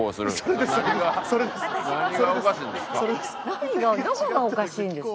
何がどこがおかしいんですか？